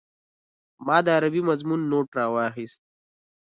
ما د عربي مضمون نوټ راواخيست.